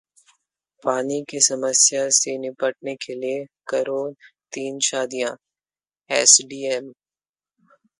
पानी की समस्या से निपटने के लिए करो तीन शादियां: एसडीएम